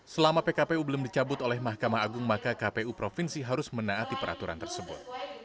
selama pkpu belum dicabut oleh mahkamah agung maka kpu provinsi harus menaati peraturan tersebut